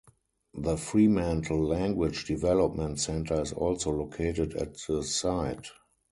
The Fremantle Language Development Centre is also located at the site.